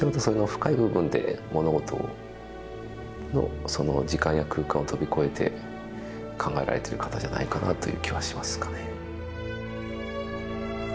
深い部分で物事の時間や空間を飛び越えて考えられてる方じゃないかなという気はしますかね。